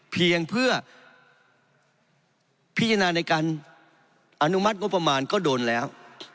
เพียงเพื่อพิจารณาในการอนุมัติงบประมาณก็โดนแล้ว